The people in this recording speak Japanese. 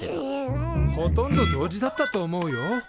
うう。ほとんど同時だったと思うよ。